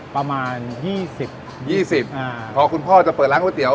ประมาณยี่สิบยี่สิบอ่าพอคุณพ่อจะเปิดร้านก๋วยเตี๋ยว